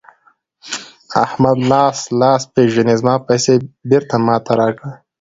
احمده؛ لاس لاس پېژني ـ زما پيسې بېرته ما ته راکړه.